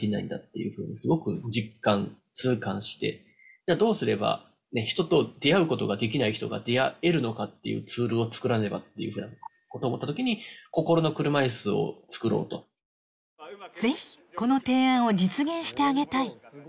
じゃあどうすれば人と出会うことができない人が出会えるのかっていうツールを作らねばっていうようなことを思った時にぜひこの提案を実現してあげたい。